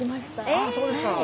あそうですか。